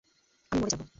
আমি মরে যাব।